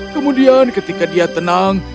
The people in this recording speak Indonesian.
kemudian ketika dia tenang